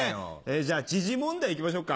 じゃあ時事問題いきましょうか。